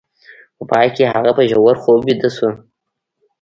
په پای کې هغه په ژور خوب ویده شو